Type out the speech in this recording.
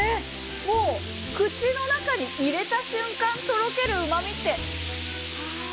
もう口の中に入れた瞬間とろけるうま味って。